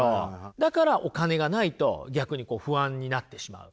だからお金がないと逆にこう不安になってしまうっていう。